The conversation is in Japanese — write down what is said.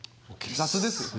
雑ですよ。